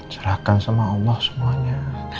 serahkan sama allah semuanya